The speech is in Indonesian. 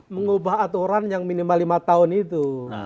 mengubah aturan yang minimal lima tahun itu